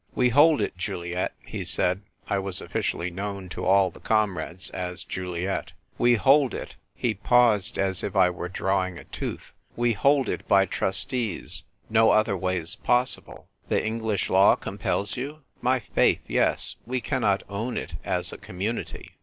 "We hold it, Juliet," he said — I was officially known to all the comrades as Juliet — "we hold it" — he paused as if I were drawing a tooth —" we hold it by trustees. No other way is possible." "The English law compels you?" " My faith, yes ; we cannot own it as a Community."